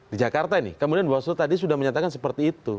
di jakarta ini kemudian bawaslu tadi sudah menyatakan seperti itu